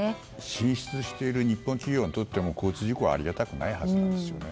進出している日本企業についても交通事故はありがたくないはずなんですよね。